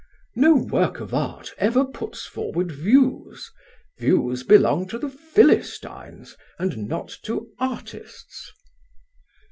"No work of art ever puts forward views; views belong to the Philistines and not to artists."...